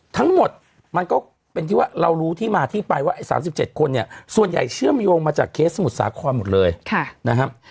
ทั้งหมดมันก็เป็นที่ว่าเรารู้ที่มาที่ไปว่าไอ้๓๗คนเนี่ยส่วนใหญ่เชื่อมโยงมาจากเคสสมุทรสาครหมดเลยนะครับ